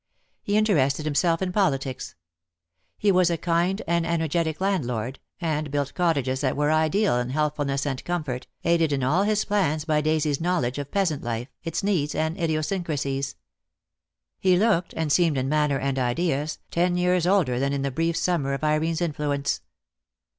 He interested himself in politics. He was a kind and energetic landlord, and built cottages that were ideal in healthfulness and comfort, aided in all his plans by Daisy's knowledge of peasant life, its needs and idiosyncrasies. He looked, and seemed in manner and ideas, ten years older than in the brief summer of Irene's influence.